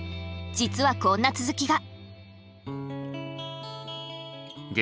実はこんな続きが。